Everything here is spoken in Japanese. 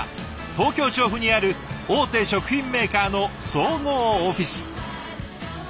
東京・調布にある大手食品メーカーの総合オフィス。